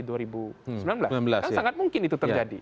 karena sangat mungkin itu terjadi